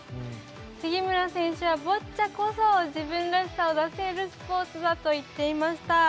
杉村選手はボッチャこそ自分らしさを出せるスポーツだと言っていました。